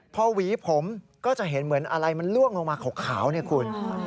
พอหวีผมก็จะเห็นเหมือนอะไรมันล่วงลงมาขาวเนี่ยคุณ